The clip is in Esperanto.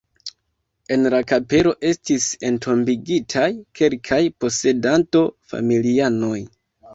En la kapelo estis entombigitaj kelkaj posedanto-familianoj.